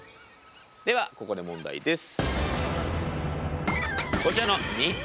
ではここで問題です。